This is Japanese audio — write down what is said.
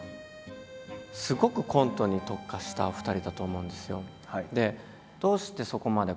すごくコントに特化したお二人だと思うんですよ。